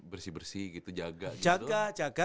bersih bersih gitu jaga gitu jaga jaga